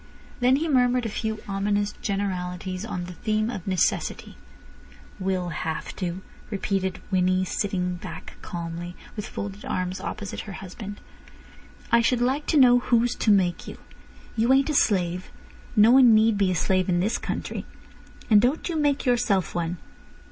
Then he murmured a few ominous generalities on the theme of necessity. "Will have to," repeated Winnie, sitting calmly back, with folded arms, opposite her husband. "I should like to know who's to make you. You ain't a slave. No one need be a slave in this country—and don't you make yourself one."